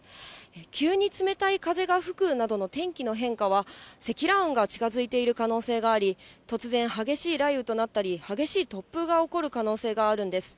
急に冷たい風が吹くなどの天気の変化は、積乱雲が近づいている可能性があり、突然、激しい雷雨となったり、激しい突風が起こる可能性があるんです。